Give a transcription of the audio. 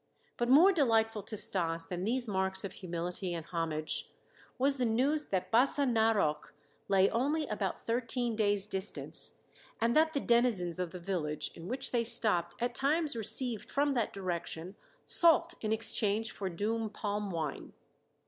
But more delightful to Stas than these marks of humility and homage was the news that Bassa Narok lay only about thirteen days' distance and that the denizens of the village in which they stopped at times received from that direction salt in exchange for doom palm wine.